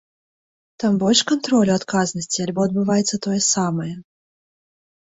Там больш кантролю, адказнасці альбо адбываецца тое самае?